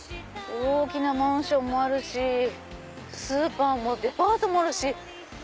大きなマンションもあるしスーパーもデパートもあるし。